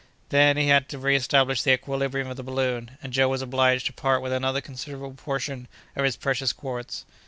Then he had to reestablish the equilibrium of the balloon, and Joe was obliged to part with another considerable portion of his precious quartz.